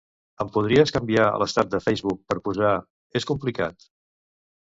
Em podries canviar l'estat de Facebook per posar "és complicat"?